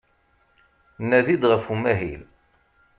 Nadi-d ɣef umahil.